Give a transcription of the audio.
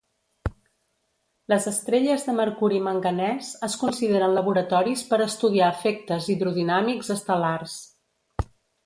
Les estrelles de mercuri-manganès es consideren laboratoris per estudiar efectes hidrodinàmics estel·lars.